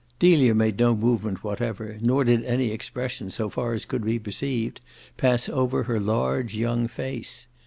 Delia made no movement whatever, nor did any expression, so far as could be perceived, pass over her large young face.